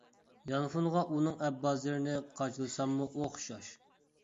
يانفونغا ئۇنىڭ ئەپ بازىرىنى قاچىلىساممۇ ئوخشاش.